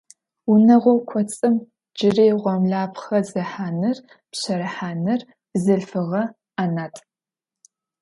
Унэгъо кӏоцӏым джыри гъомлэпхъэ зехьаныр, пщэрыхьаныр бзылъфыгъэ ӏэнатӏ.